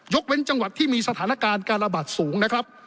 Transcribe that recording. เว้นจังหวัดที่มีสถานการณ์การระบาดสูงนะครับ